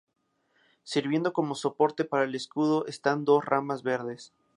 Sirviendo como soporte para el escudo, están dos ramas verdes.